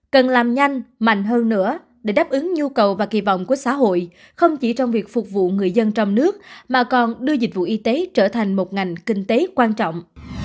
cần làm nhanh mạnh hơn nữa để đáp ứng nhu cầu và kỳ vọng của xã hội không chỉ trong việc phục vụ người dân trong nước mà còn đưa dịch vụ y tế trở thành một ngành kinh tế quan trọng